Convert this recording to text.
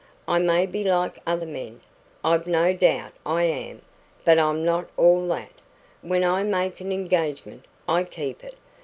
I may be like other men I've no doubt I am but I'm not all that. When I make an engagement, I keep it.